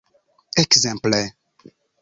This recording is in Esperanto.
Ekzemple!